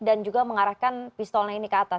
dan juga mengarahkan pistolnya ini ke atas